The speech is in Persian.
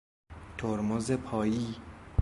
ترمز پایی